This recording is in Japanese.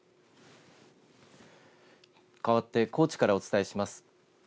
かわって高知からお伝えします。